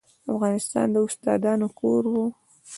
افغانستان د استادانو کور و.